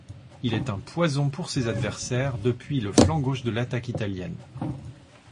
Il est un poison pour ses adversaires depuis le flanc gauche de l'attaque italienne.